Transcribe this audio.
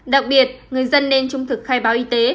đặc biệt người dân nên trung thực khai báo y tế